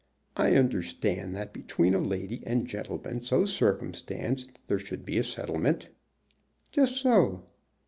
"I understand that between a lady and gentleman so circumstanced there should be a settlement." "Just so."